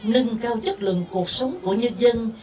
nâng cao chất lượng cuộc sống của nhân dân